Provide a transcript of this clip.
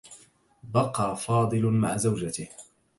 بقى فاضل مع زوجته.